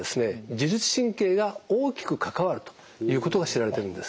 自律神経が大きく関わるということが知られてるんです。